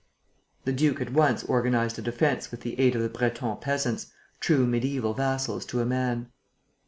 The duke at once organized a defence with the aid of the Breton peasants, true mediæval vassals to a man.